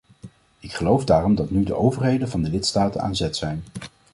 Ik geloof daarom dat nu de overheden van de lidstaten aan zet zijn.